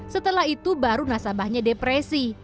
setelah itu baru nasabahnya depresi